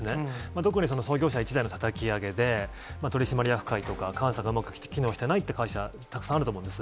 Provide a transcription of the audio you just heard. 特に、創業者一代のたたき上げで、取締役会とか、監査がうまく機能してないって会社は、たくさんあると思うんです。